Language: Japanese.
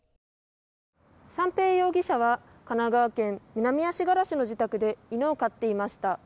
三瓶容疑者は神奈川県南足柄市の自宅で犬を飼っていました。